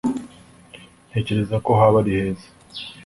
Ntekereza ko haba ari heza